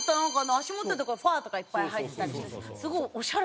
足元とかファーとかいっぱい入ってたり。